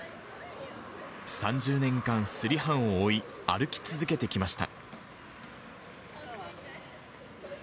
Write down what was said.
３０年間、すり犯を追い、歩き続けてきました。